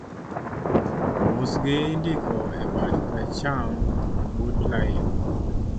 mosgi indiko e bat koracham ebut lain